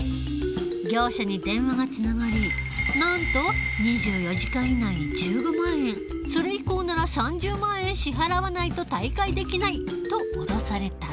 業者に電話がつながりなんと「２４時間以内に１５万円それ以降なら３０万円支払わないと退会できない」と脅された。